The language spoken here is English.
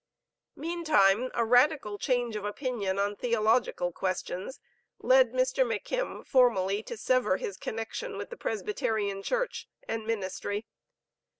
Meantime, a radical change of opinion on theological questions, led Mr. McKim formally to sever his connection with the Presbyterian Church, and ministry.